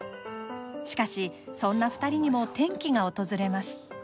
しかし、そんな２人にも転機が訪れます。